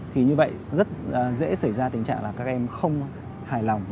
thì như vậy rất dễ xảy ra tình trạng là các em không hài lòng